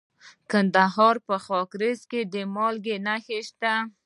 د کندهار په خاکریز کې د مالګې نښې شته.